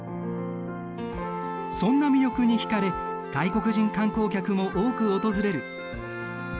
そんな魅力にひかれ外国人観光客も多く訪れる。